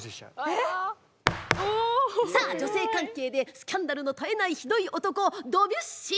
さあ女性関係でスキャンダルの絶えないひどい男ドビュッシー。